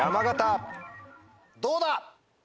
どうだ？